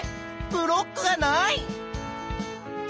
ブロックがない！